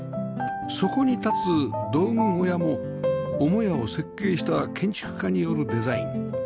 そこに立つ道具小屋も母屋を設計した建築家によるデザイン